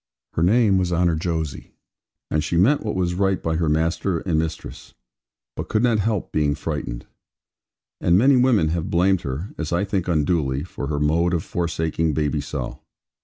Her name was Honour Jose, and she meant what was right by her master and mistress; but could not help being frightened. And many women have blamed her, as I think unduly, for her mode of forsaking baby so.